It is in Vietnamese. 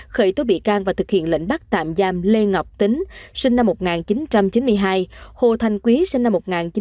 khởi tố bị can và thực hiện lệnh bắt tạm giam lê ngọc tính sinh năm một nghìn chín trăm chín mươi hai hồ thanh quý sinh năm một nghìn chín trăm tám mươi